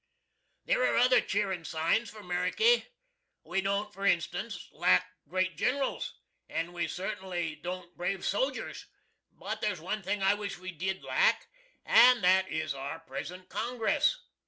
There air other cheerin' signs for Ameriky. We don't, for instuns, lack great Gen'rals, and we certinly don't brave sojers but there's one thing I wish we did lack, and that is our present Congress.